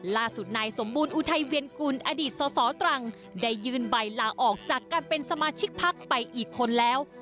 ล่าสุดนายสมบูรณอุทัยเวียนกุลอดีตสสตรังได้ยื่นใบลาออกจากการเป็นสมาชิกพักไปอีกคนแล้ว